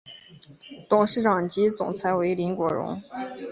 董事长及总裁为林国荣。